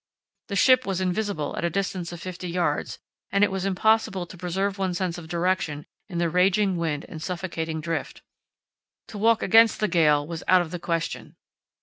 The ship was invisible at a distance of fifty yards, and it was impossible to preserve one's sense of direction in the raging wind and suffocating drift. To walk against the gale was out of the question.